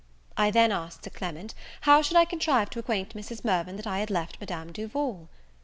I then asked Sir Clement, how I should contrive to acquaint Mrs. Mirvan that I had left Madame Duval?